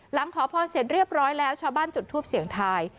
ขอพรเสร็จเรียบร้อยแล้วชาวบ้านจุดทูปเสียงทาย